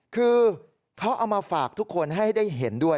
คือเขาเอามาฝากทุกคนให้ได้เห็นด้วย